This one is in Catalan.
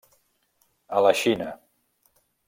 A la Xina.